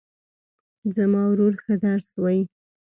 زما ورور ښه درس وایي